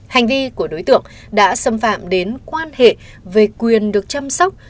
hành vi của đối tượng đã xâm phạm đến quan hệ về quyền được chăm sóc